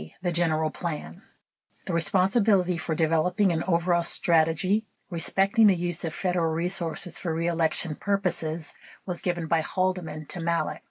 The General Plan The responsibility for developing an overall strategy respecting the use of Federal resources for reelection purposes was given by Haldeman to Malek.